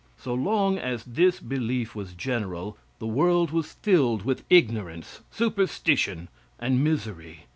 So long as this belief was general, the world was filled with ignorance, superstition and misery.